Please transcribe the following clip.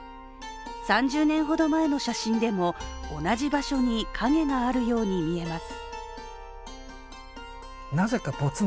３０年ほど前の写真でも、同じ場所に影があるように見えます。